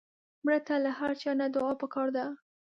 مړه ته له هر چا نه دعا پکار ده